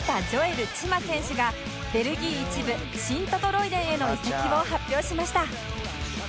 瑠チマ選手がベルギー１部シント＝トロイデン ＶＶ への移籍を発表しました